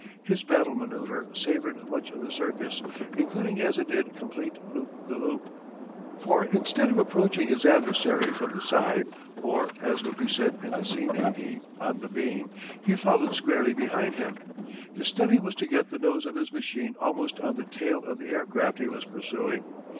His battle manoeuvre savoured much of the circus, including as it did complete loop the loop. For instead of approaching his adversary from the side, or as would be said in the sea navy, on the beam, he followed squarely behind him. His study was to get the nose of his machine almost on the tail of the aircraft he was pursuing.